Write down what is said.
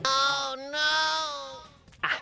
โอ้น้าว